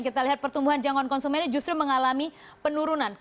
kita lihat pertumbuhan jangkauan konsumennya justru mengalami penurunan